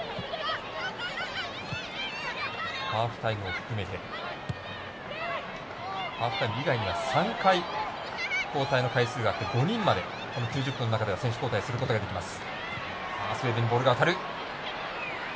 ハーフタイムを含めてハーフタイム以外には３回、交代の回数があって５人まで９０分の中では選手交代することができます。